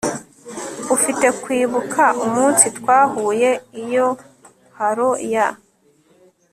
Ufite kwibuka umunsi twahuye iyo halo ya